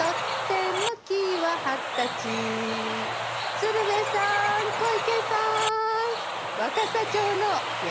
鶴瓶さん小池さん！